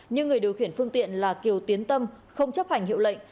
nhưng người điều khiển phương tiện là kiều tiến tâm không chấp hành hiệu lệnh